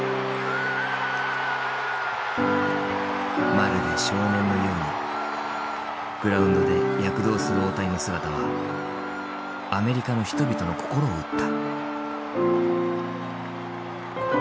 まるで少年のようにグラウンドで躍動する大谷の姿はアメリカの人々の心を打った。